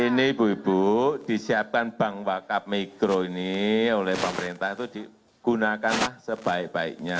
ini ibu ibu disiapkan bank wakaf mikro ini oleh pemerintah itu digunakanlah sebaik baiknya